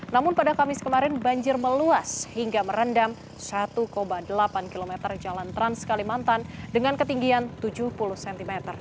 namun pada kamis kemarin banjir meluas hingga merendam satu delapan km jalan trans kalimantan dengan ketinggian tujuh puluh cm